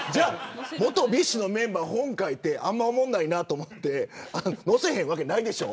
元ＢｉＳＨのメンバー、本書いてあんまおもんないなと思って載せへんわけないでしょ。